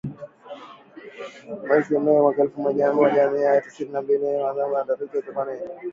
Mwezi Mei mwaka elfu moja mia tisa sitini na mbili kwa matangazo ya dakika thelathini